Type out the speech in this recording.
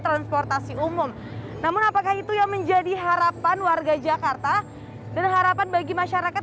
transportasi umum namun apakah itu yang menjadi harapan warga jakarta dan harapan bagi masyarakat